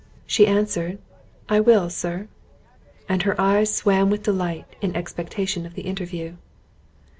She answered, "I will, Sir." And her eyes swam with delight, in expectation of the interview.